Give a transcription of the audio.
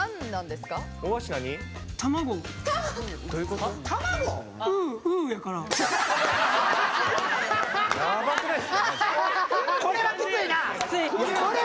これはきついわ！